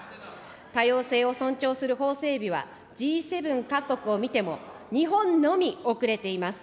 多様性を尊重する法整備は、Ｇ７各国を見ても、日本のみ遅れています。